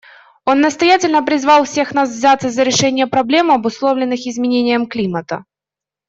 Он настоятельно призвал всех нас взяться за решение проблем, обусловленных изменением климата.